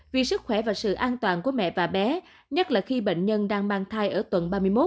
vì sức khỏe và sự an toàn của mẹ và bé nhất là khi bệnh nhân đang mang thai ở tuần ba mươi một